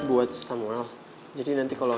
buat samuel jadi nanti kalau